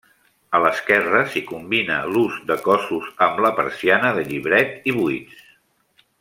A l'esquerra s'hi combina l'ús de cossos amb la persiana de llibret i buits.